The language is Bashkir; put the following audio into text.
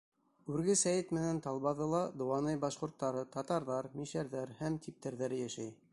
Үрге Сәйет менән Талбаҙыла дыуанай башҡорттары, татарҙар, мишәрҙәр һәм типтәрҙәр йәшәй.